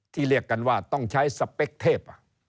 เรียกกันว่าต้องใช้สเปคเทพ